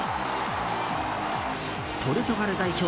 ポルトガル代表